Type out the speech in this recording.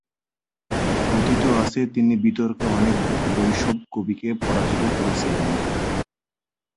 কথিত আছে তিনি বিতর্কে অনেক বৈষ্ণব কবিকে পরাজিত করেছিলেন।